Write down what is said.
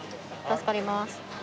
助かります。